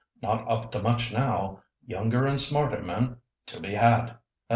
Not up to much now, younger and smarter men to be had," &c.